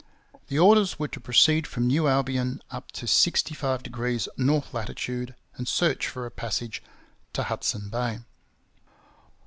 The orders were to proceed from New Albion up to 65° north latitude and search for a passage to Hudson Bay.